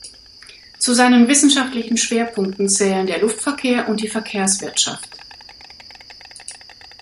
Zu seinen wissenschaftlichen Schwerpunkten zählen der Luftverkehr und die Verkehrswirtschaft.